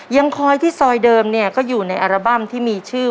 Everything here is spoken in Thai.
ยังคอยที่ซอยเดิมเนี่ยก็อยู่ในอัลบั้มที่มีชื่อ